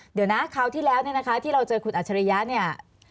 เดี๋ยวนะคราวที่แล้วเนี่ยนะคะที่เราเจอคุณอัจฉริยะเนี่ย